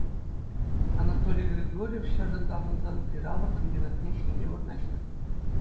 Анатолий Григорьев ҫартан таврӑнсан пир-авӑр комбинатне ӗҫлеме вырнаҫнӑ.